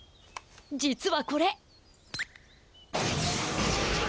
実はこれ。